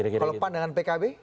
kalau pan dengan pkb